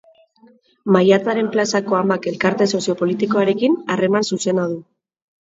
Maiatzaren Plazako Amak elkarte sozio-politikoarekin harreman zuzena du.